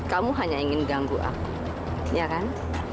kamu hanya ingin ganggu aku ya kan